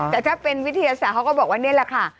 แต่ถ้าเป็นวิทยาศาสตร์เขาก็บอกว่านี่แหละค่ะ